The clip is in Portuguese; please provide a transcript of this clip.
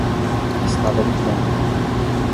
Estava limpando na hora